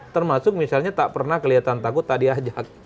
termasuk misalnya tak pernah kelihatan takut tak diajak